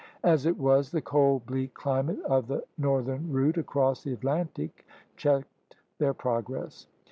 As it was, the cold, bleak climate of the northern route across the Atlantic checked their progress.